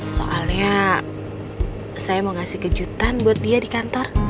soalnya saya mau kasih kejutan buat dia di kantor